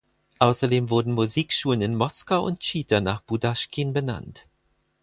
Außerdem wurden Musikschulen in Moskau und Tschita nach Budaschkin benannt.